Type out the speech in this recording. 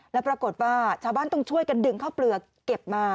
แล้วปรากฏว่าชาวบ้านต้องช่วยกันดึงข้าวเปลือกเก็บมา